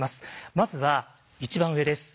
まずは一番上です。